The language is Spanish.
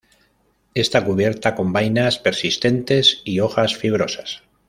Está cubierta con vainas persistentes, y hojas fibrosas.